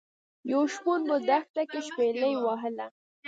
یو شپون په دښته کې شپيلۍ وهله.